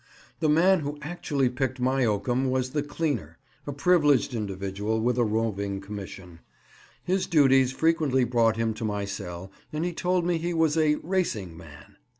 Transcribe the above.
The man who actually picked my oakum was the "cleaner," a privileged individual with a roving commission. His duties frequently brought him to my cell, and he told me he was a "racing man."